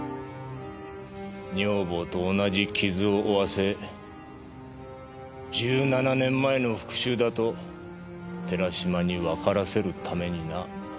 女房と同じ傷を負わせ１７年前の復讐だと寺島にわからせるためにな。